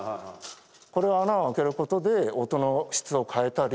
これは穴をあけることで音の質を変えたり。